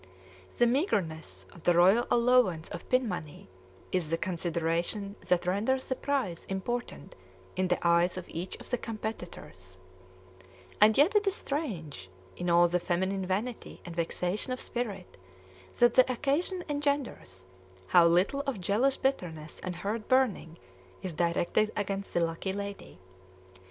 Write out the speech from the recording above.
The meagreness of the royal allowance of pin money is the consideration that renders the prize important in the eyes of each of the competitors; and yet it is strange, in all the feminine vanity and vexation of spirit that the occasion engenders, how little of jealous bitterness and heartburning is directed against the lucky lady.